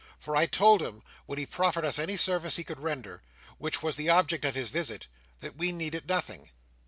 For I told him, when he proffered us any service he could render—which was the object of his visit—that we needed nothing."